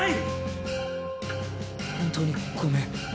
本当にごめん。